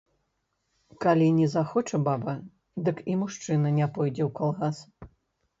Калі не захоча баба, дык і мужчына не пойдзе ў калгас.